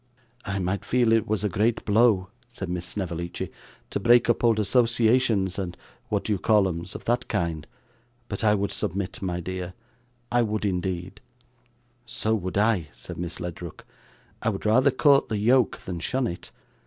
'I might feel it was a great blow,' said Miss Snevellicci, 'to break up old associations and what do you callems of that kind, but I would submit, my dear, I would indeed.' 'So would I,' said Miss Ledrook; 'I would rather court the yoke than shun it.